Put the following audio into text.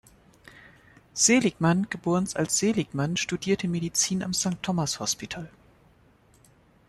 Seligman, geboren als Seligmann, studierte Medizin am St Thomas’ Hospital.